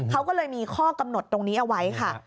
เขาก็เลยมีข้อกำหนดตรงนี้เอาไว้ค่ะ